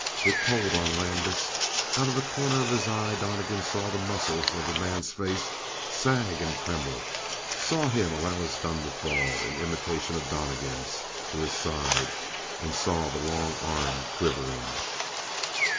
It told on Landis. Out of the corner of his eye Donnegan saw the muscles of the man's face sag and tremble; saw him allow his gun to fall, in imitation of Donnegan, to his side; and saw the long arm quivering.